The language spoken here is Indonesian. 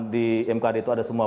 di mkd itu ada semua